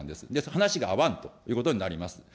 話が合わんということになります。